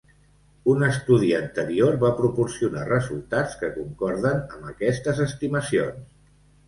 Un estudi anterior va proporcionar resultats que concorden amb aquestes estimacions.